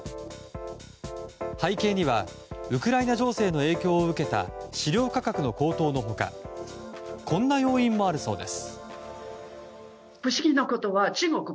背景にはウクライナ情勢の影響を受けた飼料価格の高騰の他こんな要因もあるそうです。